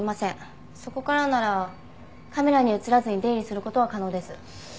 そこからならカメラに映らずに出入りする事は可能です。